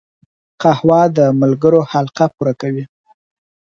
قهوه د ملګرو حلقه پوره کوي